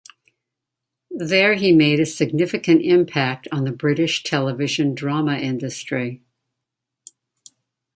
There he made a significant impact on the British television drama industry.